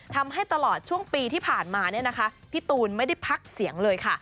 ทำให้ตลอดช่วงปีที่ผ่านมาเนี่ยนะคะพี่ตูนไม่ได้พักเสียงเลยค่ะ